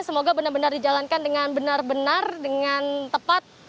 semoga benar benar dijalankan dengan benar benar dengan tepat